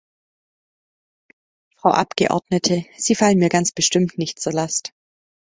Frau Abgeordnete, Sie fallen mir ganz bestimmt nicht zur Last.